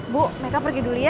bu mereka pergi dulu ya